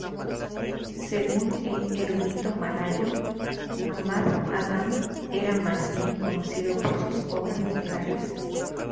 Según el erudito malayo Ahmad Adam, era más bien conocido por sus obras literarias.